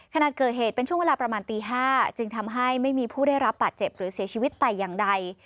ขณะเกิดเหตุเป็นช่วงเวลาประมาณตี๕จึงทำให้ไม่มีผู้ได้รับบาดเจ็บหรือเสียชีวิตแต่อย่างใด